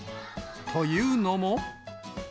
というのも。